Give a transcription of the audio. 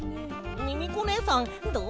ミミコねえさんどうおもう？